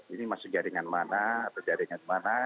ini masuk jaringan mana atau jaringan mana